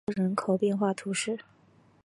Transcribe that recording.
奥尔森瓦勒人口变化图示